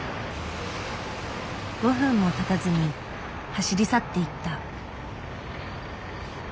５分もたたずに走り去っていった。